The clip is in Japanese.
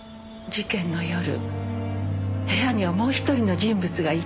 事件の夜部屋にはもう１人の人物がいた。